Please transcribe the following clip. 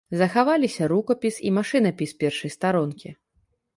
Захаваліся рукапіс і машынапіс першай старонкі.